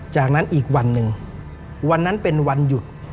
จากนั้นอีกวันหนึ่งวันนั้นเป็นวันหยุด